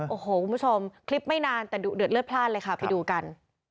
โอ้โหคุณผู้ชมคลิปไม่นานแต่ดุเดือดเลือดพลาดเลยค่ะไปดูกัน